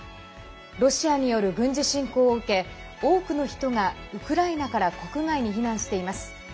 ロシアによる軍事侵攻を受け多くの人がウクライナから国外に避難しています。